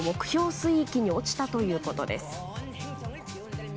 水域に落ちたということです。